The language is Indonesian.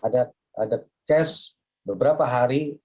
ada ada tes beberapa hari